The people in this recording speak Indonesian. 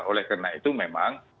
oleh karena itu memang